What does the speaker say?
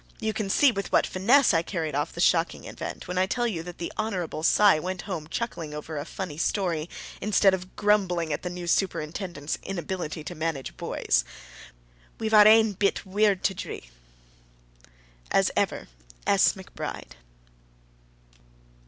You can see with what finesse I carried off the shocking event, when I tell you that the Hon. Cy went home chuckling over a funny story, instead of grumbling at the new superintendent's inability to manage boys. We've our ain bit weird to dree! As ever, S. McBRIDE.